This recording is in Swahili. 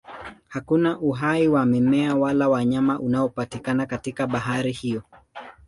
Hakuna uhai wa mimea wala wanyama unaopatikana katika bahari hiyo.